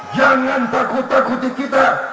jangan takut takuti kita